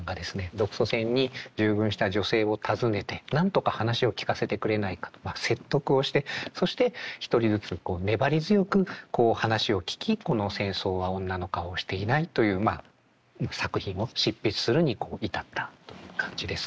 独ソ戦に従軍した女性を訪ねてなんとか話を聞かせてくれないかとまあ説得をしてそして１人ずつこう粘り強く話を聞きこの「戦争は女の顔をしていない」という作品を執筆するに至ったという感じですね。